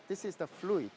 ini adalah fluid